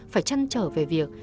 phải chăn trở về việc